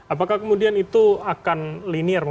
apakah kemudian itu akan linier